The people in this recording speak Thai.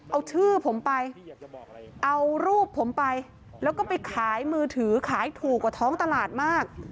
เอาชื่อผมไปเอารูปผมไปแล้วก็ไปขายมือถือขายถูกกว่าท้องตลาดมาก